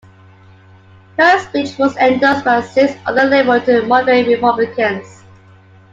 Her speech was endorsed by six other liberal-to-moderate Republicans.